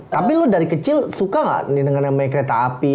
tapi lo dari kecil suka gak didengar namanya kereta api